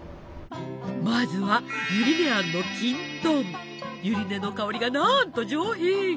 まずはゆり根の香りがなんと上品！